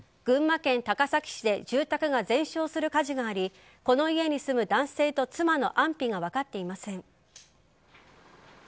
群馬県高崎市で住宅が全焼する火事がありこの家に住む男性と妻の安否が分かっていません。